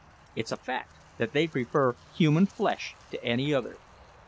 It's a fact that they prefer human flesh to any other.